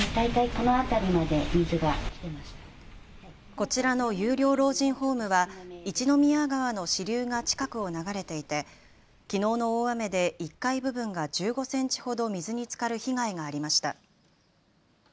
こちらの有料老人ホームは一宮川の支流が近くを流れていてきのうの大雨で１階部分が１５センチほど水につかる被害がありました。